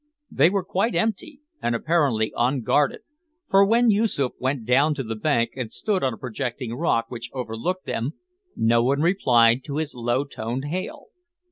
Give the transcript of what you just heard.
They were quite empty, and apparently unguarded, for when Yoosoof went down the bank and stood on a projecting rock which overlooked them, no one replied to his low toned hail.